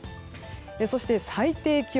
そして最低気温。